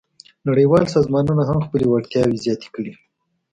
نړیوال سازمانونه هم خپلې وړتیاوې زیاتې کړې دي